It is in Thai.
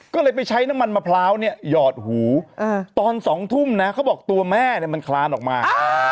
ก็เลยไปใช้น้ำมันมะพร้าวเนี่ยหยอดหูตอน๒ทุ่มนะเขาบอกตัวแม่เนี่ยมันคลานออกมา